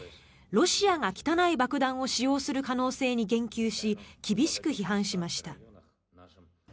ロシアが汚い爆弾を使用する可能性に言及し厳しく批判しました。